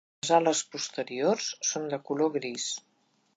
Les ales posteriors són de color gris.